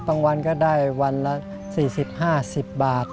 วันก็ได้วันละ๔๐๕๐บาท